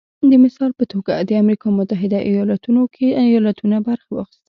د مثال په توګه د امریکا متحده ایالتونو کې ایالتونو برخه واخیسته